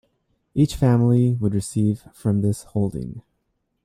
Each family would receive from this holding.